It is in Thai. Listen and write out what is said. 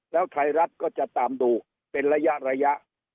แล้วไทยรัฐก็จะตามดูเป็นระยะระยะ